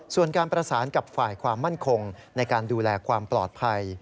ส่วนการประสานกับฝ่ายความมั่นคงในการดูแลความปลอดภัย